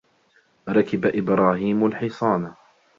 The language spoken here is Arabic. رَكِبَ إِبْرَاهِيمُ الْحِصَانَ.